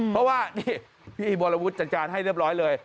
เพราะว่านี่พี่วรวุฒิจัดการให้เรียบร้อยเลย